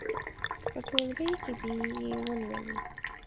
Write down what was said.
په ټولګي کې دې یې ولولي.